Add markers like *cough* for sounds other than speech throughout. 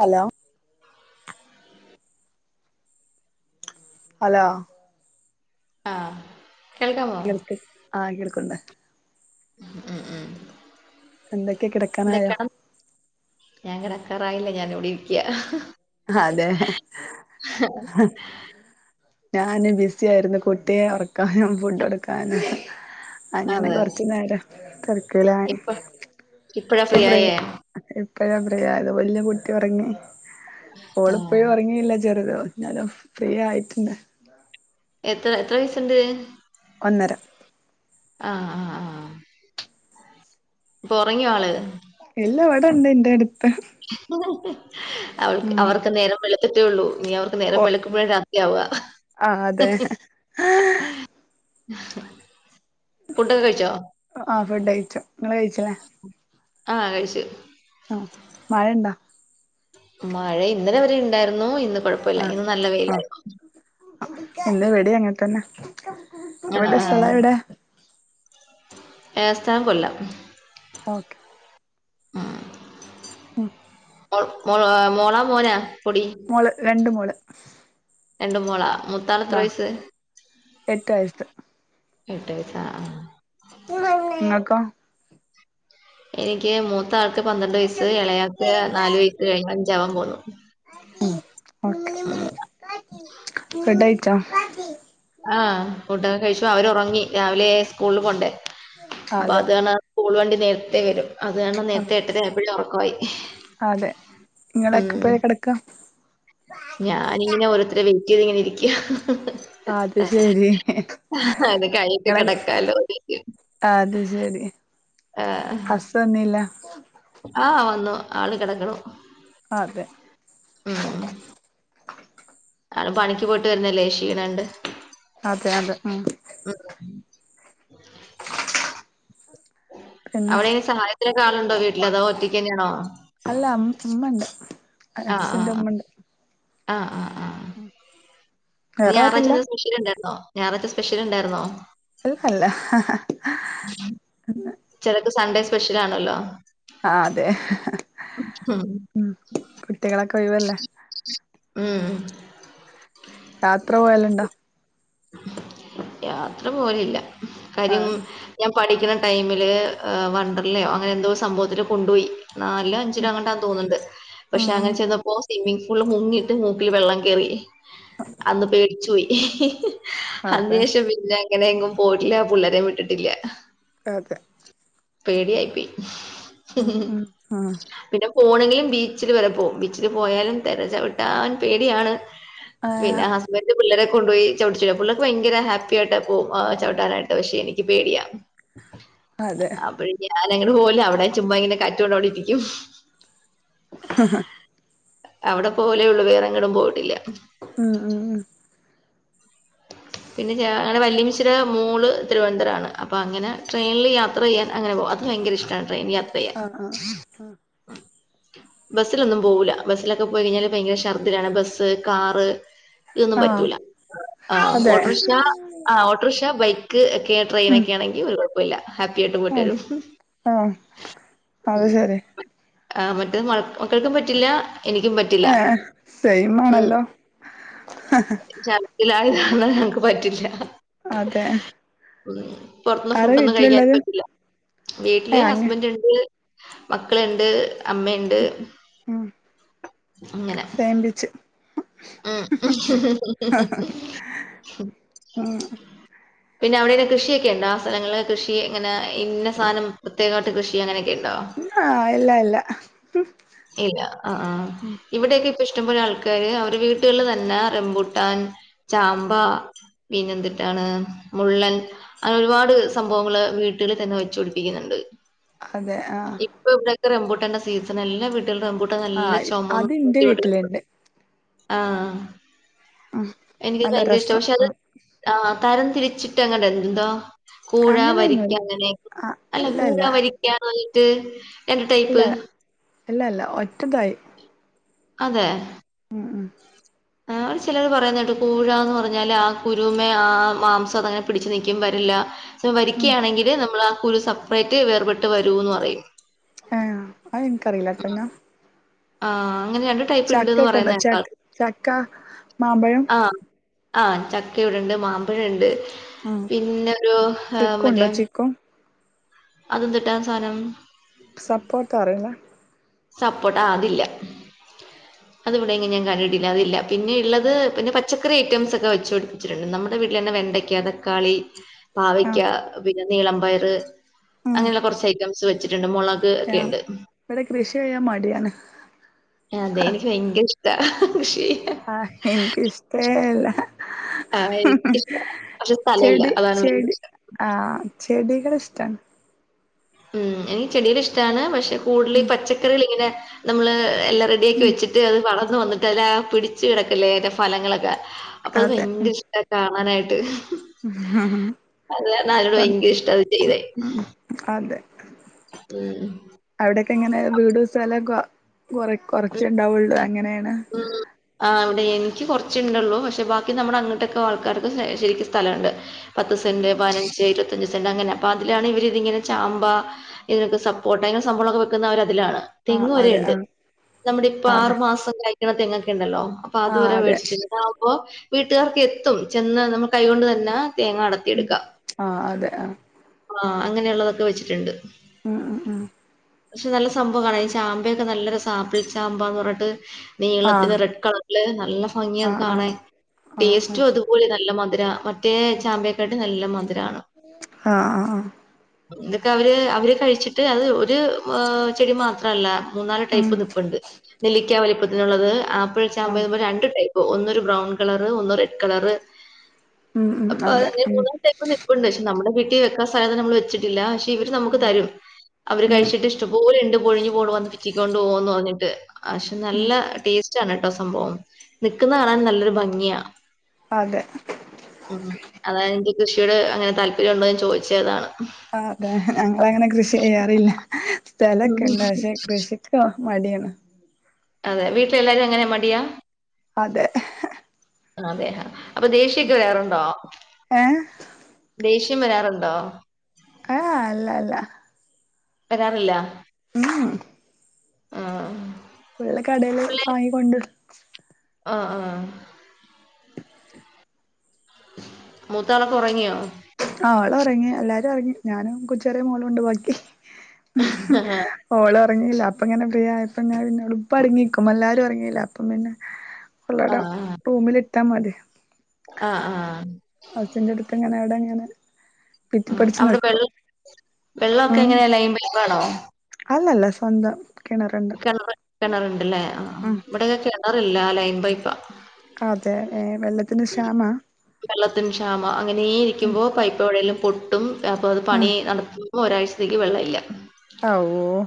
Hello hello ആഹ് കേൾക്കാമോ? കേൾക്ക് ആഹ് കേൾക്കണ്ട് ഉം ഉം എന്തൊക്കെ എന്തെ കിടക്കാനായോ കെട ഞാൻ കിടക്കാറായില്ല ഞാന ഇവിടെ ഇരിക്കാ അതെ ഞാന് ബിസി ആയിരുന്നു കുട്ടിയെ ഉറക്കാനും ഫുഡ് കൊടുക്കാനും അങ്ങനെ അതെ കൊറച്ചു നേരം തെർക്കയിലാണ് ഇപ്പ ഇപ്പഴാ ഫ്രീ ആയെ ഇപ്പഴാ പറയാ അത് വല്യ കുട്ടി ഒറങ്ങി ആഹ് ഓളിപ്പഴും ഒറങ്ങിയില്ലാ ചെറുത് ന്നാലും ഫ്രീ ആയിട്ട്ണ്ട് എത്ര എത്ര വയസ്സ്ണ്ട് ഒന്നര ആഹ് ആഹ് ആഹ് ഇപ്പൊ ഒറങ്ങിയോ ആള് ഇല്ലാ ഇവിടെ ഇണ്ട് ഇന്റെട്ത്ത് അവൾക്ക് അവർക്ക് നേരം വെളുത്ത്ട്ടേ ഒള്ളൂ ഇനി അവർക്ക് ഓ നേരം വെളുക്കുമ്പെഴാ രാത്രിയാവാ ആഹ് അതെ ഫുഡൊക്കെ കഴിച്ചോ? ആഹ് ഫുഡയിച്ചു ഇങ്ങള് കയിച്ചില്ലേ ആഹ് കഴിച്ചു ആഹ് മഴ ഇണ്ടോ? മഴ ഇന്നലെ വരെ ഇണ്ടായിരുന്നു ഇന്ന് കൊഴപ്പല്ല ആഹ് ഇന്ന് നല്ല വെയിലായിരുന്നു ആഹ് എന്താ ഇവടീം അങ്ങൻത്തന്നെ ആഹ് ആഹ് ഏസ്ഥാനം കൊല്ലം ഓക്കെ ഉം ആഹ് മോൾ മോ ഏഹ് മോളാ മോനാ പൊടി മോള് രണ്ട് മോള് രണ്ടും മോളാ മുത്താളെത്ര ആഹ് വയസ്സ് എട്ട് വയസ്സ് എട്ട് വയസ്സാ ആഹ് ആഹ് ഇങ്ങക്കോ? എനിക്ക് മൂത്ത ആൾക്ക് പന്ത്രണ്ട് വയസ്സ് എളയാക്ക് നാല് വയസ്സ് കഴിഞ്ഞ് അഞ്ചാവാൻ പോന്നു ഉം ഉം ഫുഡയിച്ചോ? ആഹ് ഫുഡൊക്കെ കഴിച്ചു അവര് ഒറങ്ങി രാവിലെ സ്കൂളില് പോണ്ടേ ആഹ് അപ്പൊ അതെ അത് *unintelligible* സ്കൂൾ വണ്ടി നേരത്തെ വരും അത് കാരണം ആഹ് നേരത്തെ എട്ടര ആയപ്പഴെ ഒറക്കവായി അതെ ഉം ഇങ്ങളെക്കപ്പഴാ *unintelligible* ഞാനിങ്ങനെ ഓരോരുത്തരെ വെയിറ്റ് ചെയ്ത് ഇങ്ങനെ ഇരിക്കാ അത് ശെരി അത് കഴിഞ്ഞിട്ട് ഇങ്ങളെ കെടക്കാലോന്ന് *unintelligible* അത് ശെരി ഹസ്സ് വന്നീല്ലാ ആഹ് വന്നു ആള് കെടക്കണു അതെ ആള് പണിക്ക് പോയിട്ട് വരുന്നയല്ലേ ക്ഷീണം ഇണ്ട് അതെ അതെ ഉം അ പിന്നെ അവിടെ എങ്ങനെ സഹായത്തിനൊക്കെ ആളുണ്ടോ വീട്ടില് അതോ ഒറ്റയ്ക്ക് തന്നെയാണോ അല്ലാ ഉം ഉമ്മണ്ട് അ ആഹ് ആഹ് ഹസ്സിന്റെ ആഹ് ഉമ്മണ്ട് ആഹ് ആഹ് ഉം ഇന്ന് ഞായറാഴ്ച എന്തേലും സ്പെഷ്യൽ ഇണ്ടായിരുന്നോ ഞായറാഴ്ച്ച സ്പെഷ്യൽ ഇണ്ടായിരുന്നോ? *unintelligible* ഉം അല്ലാ ചെലർക്ക് സൺഡേ സ്പെഷ്യൽ ആണല്ലോ ആഹ് അതെ ഉം കുട്ടികളൊക്കെ ഒഴിവ ഉം. യാത്ര പോവല്ണ്ടോ? യാത്ര പോല്‌ല്ല ആ കാര്യം ഞാൻ പഠിക്ക്ണ ടൈമില് വണ്ടർലയോ അങ്ങനെ എന്തോ സംഭവത്തിൽ കൊണ്ടോയി ന്നല്ലെ *unintelligible* തോന്ന്ണ്ട് ആ പക്ഷെ അങ്ങനെ ചെന്നപ്പോ സ്വിമ്മിംഗ് ഫൂള് മുങ്ങിട്ട് മൂക്കില് വെള്ളം കേറി അന്ന് പേടിച്ചോയി. അതെ അന്നേഷം പിന്നെ അങ്ങനെ എങ്ങും പോയിട്ടില്ല പുളേളരേ വിട്ടിട്ടില്ല. അതെ പേടിയായി പോയി. ഉം ഉം ഉം പിന്നെ പോണെങ്കിലും ബീച്ചിൽ വരെ പോവും ബീച്ചിൽ പോയാലും തെരച്ചവിട്ടാൻ പേടിയാണ്. ആ പിന്നെ ഹ ഇവ്ടെ പിള്ളേരെ കൊണ്ടോയി ചടിച്ച പിള്ളേർക്ക് ഭയര ഹാപ്പി ആയിട്ട് പോവും ചവിട്ടാനായിട്ട് പക്ഷെ എനിക്ക് പേടിയ. ആ അപ്പഴേക്ക് ഞാൻ അങ്ങനെ പോവുല അവിടെ ചുമ്മ ഇങ്ങനെ കാറ്റ്കൊണ്ടോടിരിക്കും. ഹ് ഹ് അവടെ പോലെള്ളൂ വേറെങ്ങടും പോയിട്ടില്ല. ഉം ഉം ഉം ആ പിന്നെ അങ്ങനെ വല്ല്യമ്മച്ചിടെ മോള് തിരുന്തരാണ് അപ്പ അങ്ങനെ ട്രെയ്ല്ല് യാത്ര ചെയ്യാൻ അങ്ങനെ പോവും അത് ഭയങ്കര ഇഷ് ട്രെയിൻ യാത്രയ്യാൻ. ആ ആ ബസ്സിലൊന്നും പോവൂല്ല ബസ്സിലൊക്കെ പോയി കഴിഞ്ഞാല് ഭയങ്കര ഛർദ്ദിലാണ് ബസ്സ്, കാറ്. ഇതൊന്നും ആ പറ്റൂല ആഹ് അതെ ഓട്ട്രക്ഷ ആഹ് ഓട്ട്രക്ഷ, ബൈക്ക് *unintelligible* ഉം ട്രെയ്‌നെക്കേണെങ്കി ഒര് കൊഴ പോല്ല ഹാപ്പി ആയിട്ട് ആ പോയിട്ടരും. ആ അത് ശരി ആഹ് മറ്റെ മക്കൾക്കും പറ്റില്ല എനിക്കും പ ഏഹ് സെയ്മാണല്ലോ. ഇല്ലാ *unintelligible* ഞങ്ങക്ക് പറ്റില്ല. അതെ. ഉം പൊർത്ത്ന്ന് ആരാ ഫുഡൊന്നും കഴിക്കാൻ വീട്ടിലുള്ളത് പറ്റില്ല ഏ വീട്ടില് അങ്ങ് ഹസ്ബന്റ്ണ്ട് മക്കള്ണ്ട് അമ്മേണ്ട്. ഉം സേംമ്പിച്ച്. ഉം ഉം പിന്നെ അവിടെന്നെ കൃഷിയൊക്കെ ഇണ്ടോ? സ്ഥലങള് കൃഷി ങ്ങനെ ഇന്ന സാനം പ്രത്യേകമായിട്ട കൃഷി അങ്ങനെയൊക്കെ ഇണ്ടോ? ആഹ് ഇല്ല ഇല്ല. ഇല്ല ആഹ്. ഇവിടെയൊക്കെ ഇപ്പ ഇഷ്ടംപോലെ ആൾക്കാര് അവരുടെ വീട്ട്ല് തന്നെ റെംബൂട്ടാൻ ചാമ്പ പിന്നെന്തിട്ടാണ് മുള്ളൻ അങ്ങനെ ഒരുപാട് സംഭവങ്ങള് വീട്ടില് തന്നെ വെച്ചു പിടിപ്പിക്ക്ന്ന്ണ്ട്. അതെ ആഹ്. ഇപ്പ ഇവിടൊക്കെ റംമ്പൂട്ടന്റെ സീസണാ എല്ല വീട്ടിൽറമ്പൂട്ട ആ നല്ല ചുമൊന്നും അത് ഇന്റെ *unintelligible* വീട്ടിലുണ്ട് ആഹ് ഉം എനിക്കത് നല്ല ഭയങ്കര ഇഷ്ട രസം പക്ഷെ അത് ഉം ആഹ് തരം തിരിച്ചിട്ട് അങ്ങടെ എന്തോ കൂഴ അങ്ങനെയൊന്നുല്ല വരിക്കങ്ങനെ ആ അല്ല ഇല്ല കൂഴ, ഇല്ല വരി നല്ലൊരു എന്ത് ടൈപ്പ്. അല്ല അല്ല ഒറ്റതായി. അതെ. ആ അവിടെ ചിലർ പറയുന്നേട്ടു കൂഴന്ന് പറഞ്ഞാല് ആ കുരുമേ ആ മാംസം അതങ്ങനെ പിടിച്ച് നിക്കും വരില്ല സ്വ ഉം വരിക്കയാണെങ്കില് നമ്മൾ ആ കുരു സെപ്പറേറ്റ് വേർപെട്ട് വരുന്ന് പറയും. ആഹ് അതെനിക്കറിയില്ലാട്ടോ ഞാൻ. ആഹ് അങ്ങനെയാണ്ട്. ചക്കക്കണ്ട ച ചക്ക, മാമ്പഴം. ആഹ് ആഹ് ചക്ക ഇവുടുണ്ട് മാമ്പഴുണ്ട് ഉം പിന്നെ ഒരു മറ്റേ. ചിക്കുണ്ടോ ചിക്കു അതെന്തുട്ടാ ആ സാനം. സപ്പോട്ട അറിയുലെ? സപ്പോർട്ട ആ അതില്ല അതിവിടെങ്ങും ഞാൻ കണ്ടിട്ടില്ല അതില്ല. പിന്നെ ള്ളത് പിന്നെ പ പച്ചക്കറി ഐറ്റംസ് ഒക്കെ വെച്ചുപടിപ്പിച്ചിട്ടുണ്ട് നമ്മുടെ വീട്ടിൽ തന്നെ വെണ്ടയ്ക്ക, തക്കാളി, ആ പാവക്ക. പിന്നെ നീളം പയറ് ഉം അങ്ങനെയുള്ള കുറച്ച് ഐറ്റംസ് വെച്ചിട്ടുണ്ട് മുളക് ആ ഒക്കെയുണ്ട്. ഇവിടെ കൃഷി ചെയ്യാൻ മടിയാണ്. അതെ എനിക്ക് ഭയങ്കര ഇഷ്ട കൃഷിചെയ്യാൻ. ആഹ് എനക്ക് ഇഷ്ടേ അല്ല. ആഹ് എനിക്കിഷ്ട പക്ഷെ സ്ഥലമില്ല ചെടി, അതാണ് ഭയങ്കര ചെടി. ഇഷ്ടം ആഹ് ചെടികള് ഇഷ്ടാണ്. ഉം എനിക്ക് ചെടികള് ഇഷ്ട്ടാണ് പക്ഷെ കൂടുതൽ ഈ ഉം പച്ചക്കറികൾ ഇങ്ങനെ. നമ്മള് എല്ലാം റെഡിയാക്കി ഉം വെച്ചിട്ട് അത് വളർന്ന് വന്നിട്ട്. ഇതല പിടിച്ച കിടക്കലേ അയിന്റെ ഫലങ്ങളൊക്കെ അപ്പൊ അത് അതെ ഭയങ്കര ഇഷ്ട കാണാനായിട്ട്. അത അയിനോട് ഉം ഭയങ്കര ഇഷ്ട അത് ചെയ്തെ. അതെ. ഉം. അവിടെക്കെ എങ്ങനെ വീട് സ്ഥലൊകൊ കൊറ, കൊറച്ച ഉണ്ടാവുള്ളു എങ്ങനെണ്. ഉം ആഹ് ഇവിടെ എനിക്ക് കുറച്ചുണ്ടള്ളൂ പക്ഷെ ബാക്കി നമ്മുടെ അങ്ങോട്ടൊക്കെ ആൾക്കാർക്ക് ശരിക്കും സ്ഥലണ്ട്. പത്ത് ആ സെന്റ്, പതിനഞ്ച്, ഇരുപത്തഞ്ച് സെന്റ് അങ്ങനെ അപ്പം അതിലാണ് ഇവരിതിങ്ങനെ ചാമ്പ. ഇങ്ങനത്തെ സപ്പോർട്ട ഇങ്ങനെ സംഭവങ്ങളൊക്കെ വെക്കുന്നവര് അതിലാണ്. ആഹ് തെങ്ങ് വരെ അതെ ഉണ്ട് ആഹ്. നമ്മുടെ ഇപ്പൊ ആറു മാസം കായ്ക്കണ തെങ്ങൊക്കെ ഉണ്ടല്ലോ അപ്പൊ അത് ആ വരെ അതെ മേടിച്ച്. അപ്പോ വീട്ടുകാർക്ക് എത്തും ചെന്ന് നമ്മ കൈകൊണ്ട് തന്നെ തേങ്ങ അടത്തും. ഉം ആഹ് അതെ ആഹ്. ആഹ് അങ്ങനെയുള്ളതൊക്കെ വെച്ചിട്ടുണ്ട്. ഉം ഉം ഉം. പക്ഷെ നല്ല സംഭവം കാണാം ഈ ചാമ്പയൊക്കെ നല്ലൊരസാ ആപ്പിൾ ചാമ്പന്ന് പറഞ്ഞിട്ട്. ആ നീളത്തിന് റെഡ് കളറില് നല്ല ഭംഗിയ ആ അത് ആ കാണാൻ ആ ടേസ്റ്റും ആ അതും. തോലി നല്ല മധുര മറ്റേ ചാമ്പ്യക്കാട്ട് നല്ല മധുരാണ്. ആ ആ എന്തൊക്കെ അവര്, അവര് കഴിച്ചിട്ട് അത് ഒരു ചെടി മാത്രല്ല മൂന്നാല്. ഉം പ്പ്നിപ്പുണ്ട് നെല്ലിക്ക വലിപ്പത്തിനുള്ളത് ആപ്പിൾ ആ ചാമ്പ. രണ്ട് ടൈപ്പ് ഒന്നൊരു ബ്രൗൺ കളറ് ഒന്ന് റെഡ് കളറ്. ഉം ഉം അതെ അപ്പതങ്ങനെ ഉം മൂന്നാല് ടൈപ്പ് നി പ്പുണ്ട് പക്ഷെ നമ്മളെ വീട്ടി വെക്കൻ സ്ഥലല്ല നമ്മള് വെച്ചിട്ടില്ല പക്ഷെ ഇവര് നമുക്ക് ഉം തരും. അവര് ഉം കഴിച്ചിട്ട് ഇഷ്ടം പോലെ ഉണ്ട് കൊഴിഞ്ഞു പോണു പറഞ്ഞ് പിച്ചിക്കൊണ്ടുപോന്നു പറഞ്ഞിട്ട് പക്ഷെ ഉം നല്ല ടേസ് റ്റാണ് കേട്ടോ സംഭവം നിക്കുന്ന കാണാൻ നല്ലൊരു ഭംഗിയാ അതെ ഉം അതാണ് എന്റെ കൃഷിയോട് അങ്ങനെ താല്പര്യം ഉണ്ടോ എന്ന് ചോദിച്ചയതാണ് ആഹ് അതെ ഞങ്ങളങ്ങനെ കൃഷി ചെയ്യാറില്ല ഉം. സ്ഥലൊക്കെ ഉണ്ട് പക്ഷെ കൃഷി ഹോ മടിയാണ് അതെ വീട്ടിലെല്ലാരും അങ്ങനെ മടിയാ അതെ അതെയാ അപ്പൊ ദേഷ്യക്ക് വെരാറൊണ്ടോ ഏ ദേഷ്യം വരാറൊണ്ടോ ആഹ് അല്ല അല്ല വരാറില്ല ഉം ആഹ് പിള്ള കടയില് പിള്ളേര് വാങ്ങിക്കൊണ്ട് ആഹ് ആഹ് മൂത്താളൊക്കെ ഒറങ്ങിയോ ആഹ് അവള് ഒറങ്ങി എല്ലാരും ഒറങ്ങി ഞാനും കൊച്ചേറിയ മോളോണ്ട് ബാക്കി ആഹ് ഓളൊറങ്ങീല്ല അപ്പ ഇങ്ങനെ ഫ്രീ ആയപ്പ ഞാൻ പിന്നെ ഉളപ്പ അടങ്ങിക്കും എല്ലാരും ഇറങ്ങിയില്ല അപ്പം പിന്നെ ഫുള്ളട റൂമിലിട്ട മതി ആഹ് ആഹ് അച്ഛൻ്റെടുത്ത് എങ്ങനെ അവിടെങ്ങനെ ഉം അവിടെ വെള് വെള്ളോക്കെ ഉം എങ്ങനെയാ ലൈൻപൈപ്പാണോ അല്ലല്ല സ്വന്തം കിണറ്ണ്ട് കെണറ് കെണറ്ണ്ടല്ലേ ആ ഇവിടൊക്കെ കെണറില്ല ലൈൽ പൈപ്പാ അതെ ഏ വെള്ളത്തിന് ക്ഷാമ വെള്ളത്തിന് ക്ഷാമ ഉം അങ്ങനേയിരിക്കുമ്പോ പൈപ്പെവിടെലും പൊട്ടും അപ്പൊ അത് പണി ഉം നടത്തു മ്പൊ ഒരാഴ്ചത്തേക്ക് വെള്ള ഇല്ല ആഹ് ഓഹ്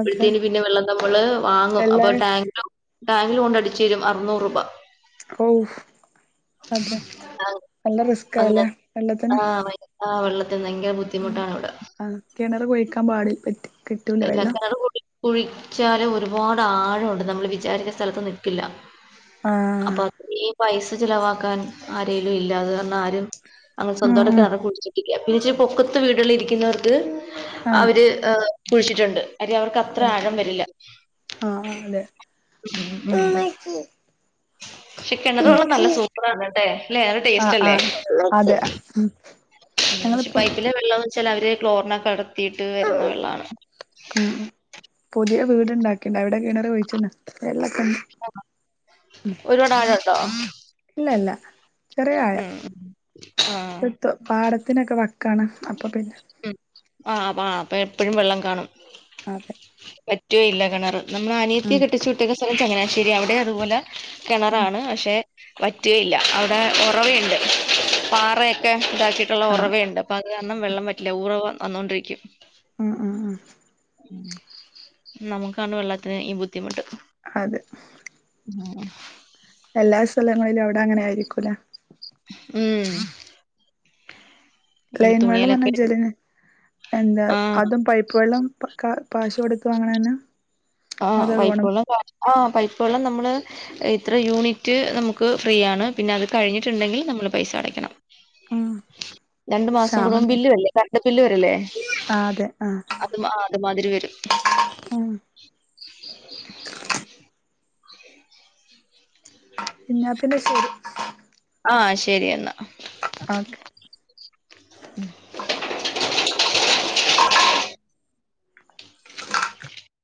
അതെ പിന്നെ വെള്ള നമ്മള് വാങ്ങും എല്ലാ അപ്പൊ ടാങ്ക ടാങ്കില് കൊണ്ടടിച്ചരും അറുന്നൂറൂപ ഔ അതെ നല്ല അങ്ങനെ റിസ്കാല്ലേ വെള്ളത്തിന് ആഹ് ഭയ ആഹ് വെള്ളത്തിന് ഭയങ്കര ബുദ്ധിമുട്ടാണിവിടെ അഹ് കെണറ്കുഴിക്കാൻ പാടി പറ്റി കിട്ടൂല ഇല്ല വെള്ളം കെണറ് കുഴി കുഴിച്ചാല് ഒരുപാട് ആഴണ്ട് നമ്മള് വിചാരിച്ച സ്ഥലത്ത് നിക്കില്ല ആഹ് ഇനീം പൈസ ചെലവാക്കാൻ ആരേലുല്ല അത്കാരണം ആരും അങ്ങനെ ഉം സ്വന്തട്ടൊരു ഉം കെണറ് കുഴിച്ച രിക്ക പിന്നച്ചിരി പൊക്കത്ത് വീടുകളിരിക്കുന്നവർക്ക് ആഹ് അവര് എഹ് കുഴിച്ചിട്ടുണ്ട് കാര്യം അവർക്ക ത്ര അതെ ആഴം വരില്ല ആഹ് അതെ ഉം ഉം ഷെ കെണറ് വെള്ളം നല്ല സൂപ്പറന്നട്ടെ അല്ലേ നല്ല ആഹ് ടേസ്റ്റല്ലേ ആഹ് അതെ ഞങ്ങളിപ്പം പൈപ്പിലെ വെള്ളന്ന്ച്ചാലവര് ക്ലോറിനൊക്കെ അടത്തിയിട്ട് വെരുന്ന വെള്ളാണ് ഉം ഉം പുതിയ വീടുണ്ടാ ക്ക്ണ്ട് അവിടെ കിണറ് കുഴിച്ച്ണ് വെള്ളൊക്കെണ്ട് മ് ഒരുപാടാഴൊണ്ടോ ഇല്ലല്ല ചെറിയ ആഴം ഉം ആഹ് പാടത്തിനൊക്കെ വക്കാണ് അപ്പൊ പിന്നെ ഉം ആഹ് അപ്പ അപ്പൊ എപ്പഴും വെള്ളകാണും അതെ വറ്റോയില്ല കെണറ് നമ്മള അനിയത്തിയെ ഉം കെട്ടിച്ചുവിട്ടക്കണ സ്ഥലത്ത് ചങ്ങനാശ്ശേരി അവിടെ അതുപോലെ ഉം കെണറാണ് പഷെ വറ്റേയില്ല അവിടെ ഒറവയണ്ട് പാറയൊക്കെതാക്കിയിട്ടുള്ള ആഹ് ഒറവേണ്ട് അപ്പത് കരണം വെള്ളം വറ്റില്ല ഉറവ വന്നോണ്ടിരിക്കും ഉം ഉം ഉം ഉം നമുക്കാണി വെള്ളത്തിനു ഈ ബുദ്ധിമുട്ട് അതെ ഇങ്ങനെ എല്ലാ സ്ഥലങ്ങളിലും അവിടെ അങ്ങനെയായിരിക്കുലേ ഉം ലൈൻ വെള്ള പറഞ്ഞാ തുണിയലൊക്കെ ജലനിധി എന്താ ആഹ് അതും പൈപ്പുവെള്ളം ഇപ്പൊക്കാ പാശൊടുത്തു വാങ്ങണന്നാ ആഹ് പെപ്പുവെള്ള കാ ആഹ് പൈപ്പ് വെള്ളം നമ്മള് ഇത്ര യൂണിറ്റ് നമുക്ക് ഫ്രീയാണ് പിന്നെ അത് കഴിഞ്ഞിട്ടുണ്ടെങ്കി നമ്മള് പൈസ അടയ്ക്കണം ഉം രണ്ടുമാസം ക്ഷാമം കൂടുമ്പോ ബില്ല് വരില്ലേ കര്ണ്ട് ബില്ല് വരില്ലേ ആ അതെ ആ അത് മാ അത് മാതിരി വെരും എന്നാ പിന്നെ ശെരി ആഹ് ശെരിയെന്നാ ഓക്കെ ഉം